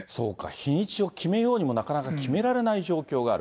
日にちを決めようにも、なかなか決められない状況がある。